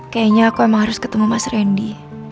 kayaknya aku emang harus ketemu mas randy